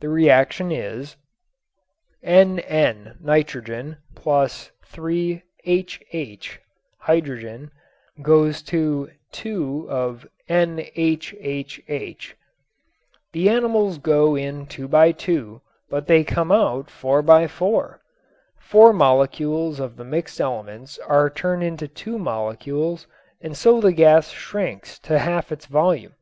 The reaction is: NN + HH + HH + HH > NHHH + NHHH Nitrogen hydrogen ammonia The animals go in two by two, but they come out four by four. Four molecules of the mixed elements are turned into two molecules and so the gas shrinks to half its volume.